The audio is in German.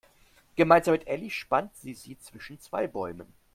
Gemeinsam mit Elli spannt sie sie zwischen zwei Bäumen.